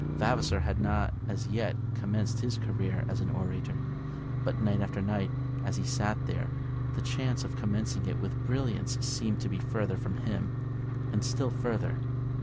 Vavasor had not as yet commenced his career as an orator; but night after night, as he sat there, the chance of commencing it with brilliance seemed to be further from him, and still further.